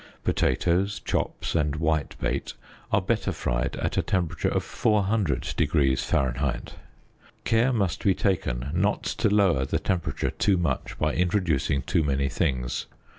Potatoes, chops and white bait are better fried at a temperature of 400 ┬░ Fahr. Care must be taken not to lower the temperature too much by introducing too many things.